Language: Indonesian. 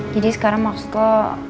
jadi sekarang maksud lo